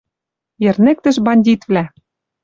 йӹрнӹктӹш бандитвлӓ —